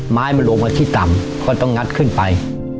ไม้มันลงมาที่ต่ำก็ต้องงัดขึ้นไป